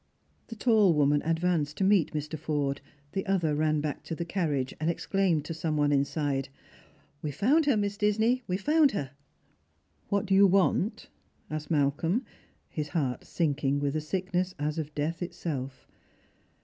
The tall woman advanced to meet Mr. Forde, the other ran back to the carriage, and exclaimed to some one inside, "We've found her, Miss Disney, we've found her!" "What do you want? " asked Malcolm, his heart sinking with a sickness as of death itself.